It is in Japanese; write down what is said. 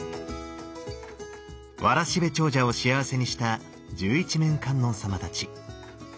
わらしべ長者を幸せにした十一面観音様たち。